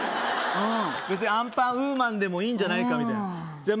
べつにアンパンウーマンでもいいんじゃないかみたいなじゃま